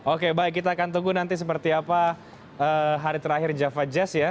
oke baik kita akan tunggu nanti seperti apa hari terakhir java jazz ya